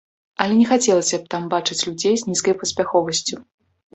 Але не хацелася б там бачыць людзей з нізкай паспяховасцю.